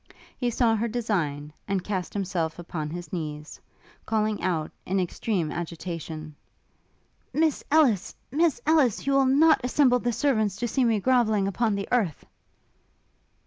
He saw her design, and cast himself upon his knees, calling out, in extreme agitation, 'Miss Ellis! Miss Ellis! you will not assemble the servants to see me groveling upon the earth?'